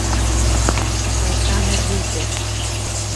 Шайтан ӹрвезӹ!